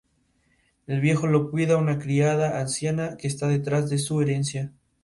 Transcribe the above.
Al viejo lo cuida una criada anciana que está detrás de su herencia.